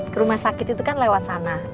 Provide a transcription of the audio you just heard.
ke rumah sakit itu kan lewat sana